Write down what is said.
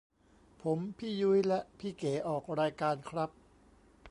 ผมพี่ยุ้ยและพี่เก๋ออกรายการครับ